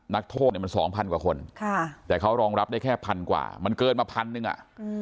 นักโทษมัน๒๐๐๐กว่าคนแต่เขารองรับได้แค่๑๐๐๐กว่ามันเกิดมา๑๐๐๐นึงอ่ะ